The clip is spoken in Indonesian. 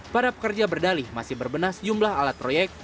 para pekerja berdalih masih berbenah sejumlah alat proyek